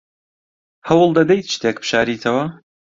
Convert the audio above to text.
هەوڵ دەدەیت شتێک بشاریتەوە؟